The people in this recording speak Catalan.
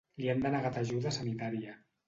Li han denegat ajuda sanitària.